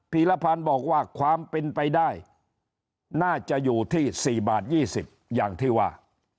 ีรพันธ์บอกว่าความเป็นไปได้น่าจะอยู่ที่๔บาท๒๐อย่างที่ว่า